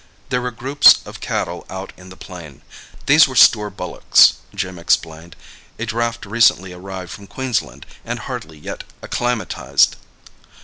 There were groups of cattle out on the plain. These were store bullocks, Jim explained, a draft recently arrived from Queensland, and hardly yet acclimatised.